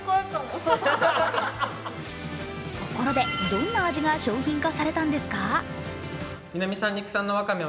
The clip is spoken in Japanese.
ところで、どんな味が商品化されたんですか？